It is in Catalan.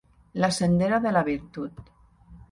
La sendera de la virtut.